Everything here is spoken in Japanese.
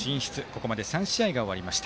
ここまで３試合が終わりました。